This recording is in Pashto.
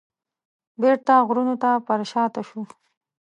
بیرته غرونو ته پرشاته شو.